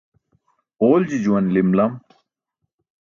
Oolji juwan lim lam.